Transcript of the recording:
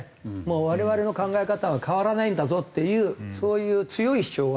我々の考え方は変わらないんだぞっていうそういう強い主張はしてますよね。